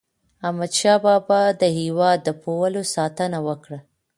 احمد شاه بابا د هیواد د پولو ساتنه وکړه.